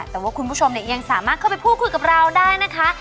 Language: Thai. แต่ว่าคุณผู้ชมเนี่ยยังสามารถเข้าไปพูดคุยกับเราได้นะคะ